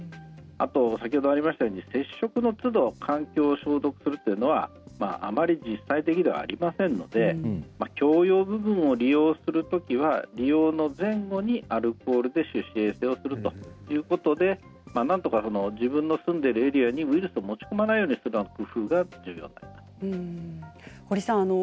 あと先ほどありましたように接触のつど、環境を消毒するというのは、あまり実際的ではありませんので共用部分を利用するときは利用の前後にアルコールで手指衛生をするということでなんとか自分の住んでいるエリアにウイルスを持ち込まないようにする工夫が重要になってきます。